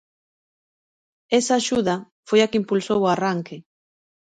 Esa axuda foi a que impulsou o arranque.